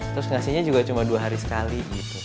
terus ngasihnya juga cuma dua hari sekali